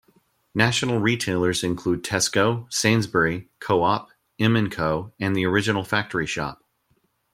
National retailers include Tesco, Sainsbury, Co-op, M and Co and The Original Factory Shop.